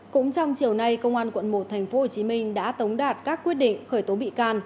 cũng trong chiều nay công an quận một tp hcm đã tống đạt các quyết định khởi tố bị can